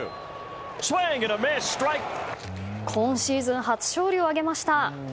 今シーズン初勝利を挙げました。